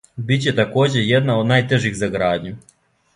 Биће такође и једна од најтежих за градњу.